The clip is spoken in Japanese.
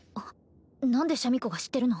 何でシャミ子が知ってるの？